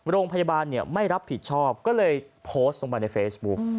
โรงพยาบาลไม่รับผิดชอบก็เลยโพสต์ลงไปในเฟซบุ๊ก